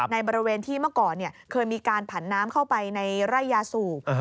ในบริเวณที่เมื่อก่อนเคยมีการผันน้ำเข้าไปในไร่ยาสูบ